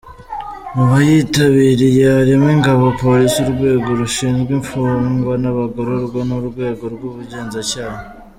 Mu bayitabiriye harimo Ingabo, Polisi, Urwego rushinzwe imfungwa n’abagororwa n’Urwego rw’Ubugenzacyaha.